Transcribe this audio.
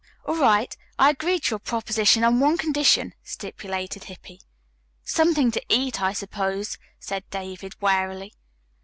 "All right, I agree to your proposition on one condition," stipulated Hippy. "Something to eat, I suppose," said David wearily.